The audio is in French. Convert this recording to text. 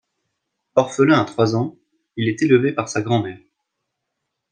Orphelin à trois ans, il est élevé par sa grand-mère.